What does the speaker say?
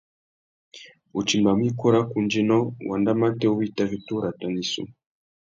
U timbamú ikú râ kundzénô ! wanda matê wu i tà fiti urrata na issú.